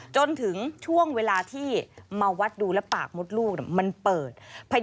จนถึงช่วงเวลาที่มาวัดดูและปากมดลูกมันเปิด